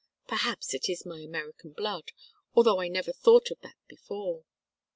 Perhaps it is my American blood, although I never thought of that before.